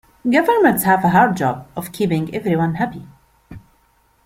Governments have a hard job of keeping everyone happy.